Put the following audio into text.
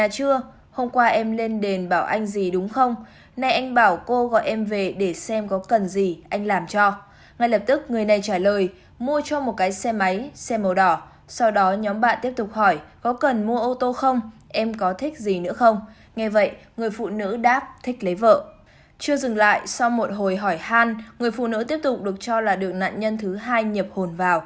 chưa dừng lại sau một hồi hỏi han người phụ nữ tiếp tục được cho là được nạn nhân thứ hai nhập hồn vào